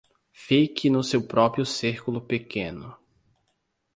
Fique no seu próprio círculo pequeno